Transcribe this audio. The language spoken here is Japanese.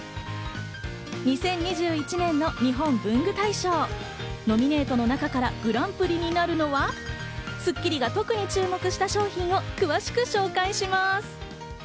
２０２１年の日本文具大賞、ノミネートの中からグランプリになるのは、『スッキリ』が特に注目した商品を詳しく紹介します。